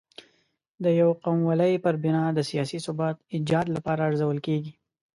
د یو قوموالۍ پر بنا د سیاسي ثبات ایجاد لپاره ارزول کېږي.